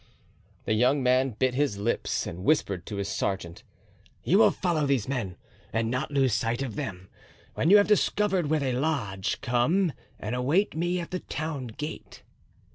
The young man bit his lips and whispered to his sergeant: "You will follow these men and not lose sight of them; when you have discovered where they lodge, come and await me at the town gate."